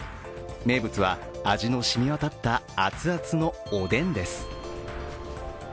名物は、味の染み渡った熱々のおでんです。